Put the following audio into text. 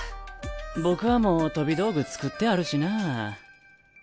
僕はもう飛び道具作ってあるしなぁ。